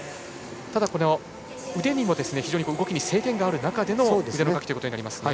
ただ、腕にも非常に動きに制限がある中での腕のかきということになりますね。